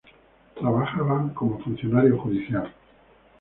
Trabajaba como funcionario judicial.